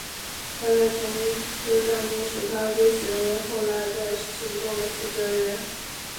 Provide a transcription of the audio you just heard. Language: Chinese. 他的战功使他被选为后来的行动的负责人。